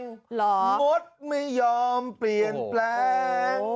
มดไม่ยอมเปลี่ยนแปลง